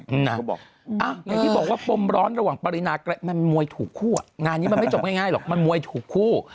เขาบอกอ่ะอย่างที่บอกว่าปมร้อนระหว่างปรินามันมวยถูกคู่อ่ะงานนี้มันไม่จบง่ายหรอกมันมวยถูกคู่